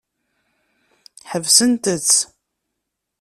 Ḥebsent-tt.